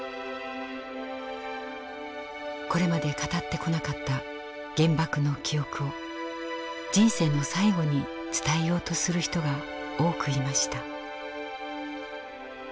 これまで語ってこなかった原爆の記憶を人生の最後に伝えようとする人が多くいました。